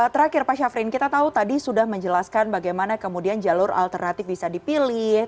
terakhir pak syafrin kita tahu tadi sudah menjelaskan bagaimana kemudian jalur alternatif bisa dipilih